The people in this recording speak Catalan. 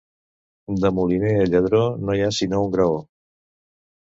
De moliner a lladró no hi ha sinó un graó.